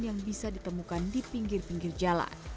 yang bisa ditemukan di pinggir pinggir jalan